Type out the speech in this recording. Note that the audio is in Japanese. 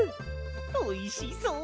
おいしそう！